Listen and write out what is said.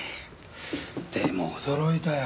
でも驚いたよ。